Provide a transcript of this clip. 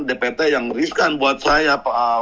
dpt yang riskan buat saya